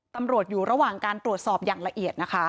ตำรวจอยู่ระหว่างการตรวจสอบอย่างละเอียดนะคะ